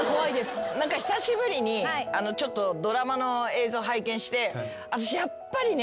久しぶりにちょっとドラマの映像拝見して私やっぱりね。